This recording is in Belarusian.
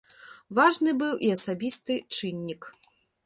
Важны быў і асабісты чыннік.